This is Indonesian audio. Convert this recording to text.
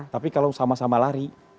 tapi kalau sama sama lari